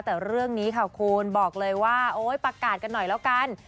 แต่เรื่องนี้ค่ะคุณบอกเลยว่าโอ๊ยประกาศกันหน่อยแล้วกัน